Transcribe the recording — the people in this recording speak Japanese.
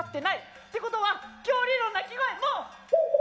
ってことは恐竜の鳴き声も。